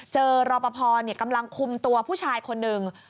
รอปภกำลังคุมตัวผู้ชายคนหนึ่ง